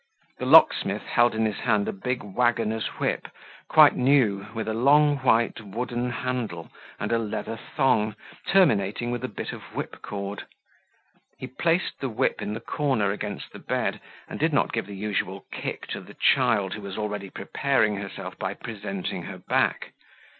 The locksmith held in his hand a big waggoner's whip, quite new, with a long white wooden handle, and a leather thong, terminating with a bit of whip cord. He placed the whip in the corner against the bed and did not give the usual kick to the child who was already preparing herself by presenting her back.